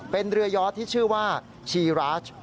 เป็นเรือยอดที่ชื่อว่าชีราช